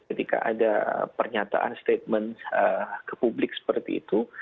ketika ada pernyataan statement ke publik seperti itu